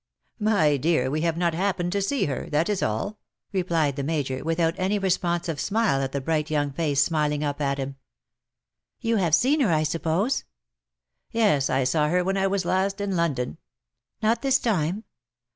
''"'" My dear, we have not happened to see her — that is all,'' ' replied the Major, without any responsive smile at the bright young face smiling up at him. IX SOCIETY. 187 " You liave seen lier^ I suppose ?^'" Yes, I saw her when I was last in London." '' Not this time